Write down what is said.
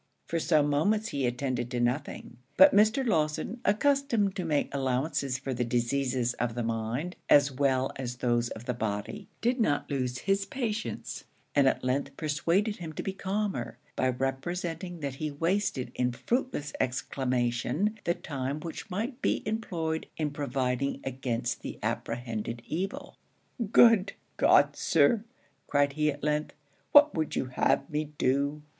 For some moments he attended to nothing; but Mr. Lawson, accustomed to make allowances for the diseases of the mind as well as those of the body, did not lose his patience; and at length persuaded him to be calmer, by representing that he wasted in fruitless exclamation the time which might be employed in providing against the apprehended evil. 'Good God! Sir,' cried he at length, 'what would you have me do?'